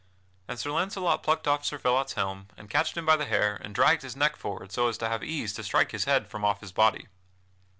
And Sir Launcelot plucked off Sir Phelot's helm and catched him by the hair and dragged his neck forward so as to have ease to strike his head from off his body.